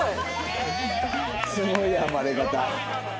すごい暴れ方。